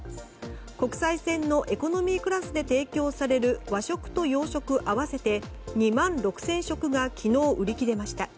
国際線のエコノミークラスで提供される和食と洋食合わせて２万６０００食が昨日、売り切れました。